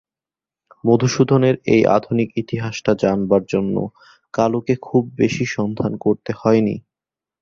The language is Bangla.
মধুসূদনের এই আধুনিক ইতিহাসটা জানবার জন্যে কালুকে খুব বেশি সন্ধান করতে হয় নি।